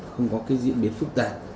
không có diễn biến phức tạp